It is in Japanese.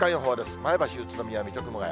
前橋、宇都宮、水戸、熊谷。